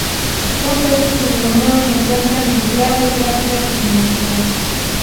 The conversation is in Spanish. Son peces cuyo número se encuentra en clara y rápida disminución.